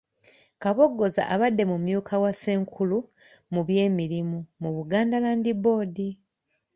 Kabogoza abadde mumyuka wa Ssenkulu mu by’emirimu mu Buganda Land Board.